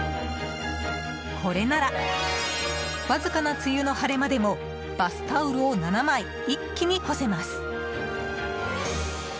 これならわずかな梅雨の晴れ間でもバスタオルを７枚一気に干せます。